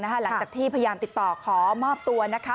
หลังจากที่พยายามติดต่อขอมอบตัวนะคะ